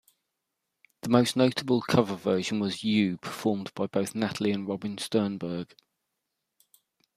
The most notable cover version was "You" performed by both Natalie and Robin Stjernberg.